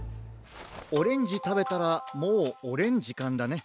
オレンジたべたらもうおれんじかんだね。